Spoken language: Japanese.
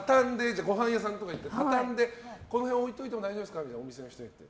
ごはん屋さんとか行って畳んで、この辺置いておいて大丈夫ですかってお店の人に言って。